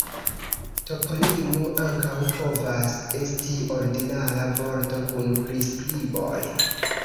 Toponimo ankaŭ povas esti ordinara vorto kun priskriboj.